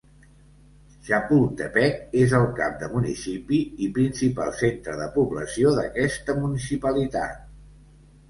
Chapultepec és el cap de municipi i principal centre de població d'aquesta municipalitat.